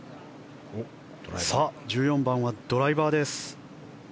さあ、中島１４番はドライバーです。